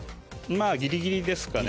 まぁギリギリですかね。